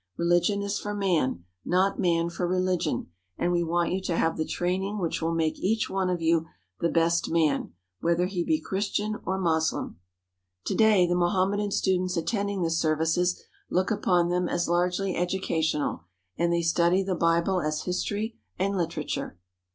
Religion is for man, not man for religion, and we want you to have the training which will make each one of you the best man, whether he be Christian or Moslem." To day the Mohammedan students attending the services look upon them as largely educational, and they study the Bible as history and literature.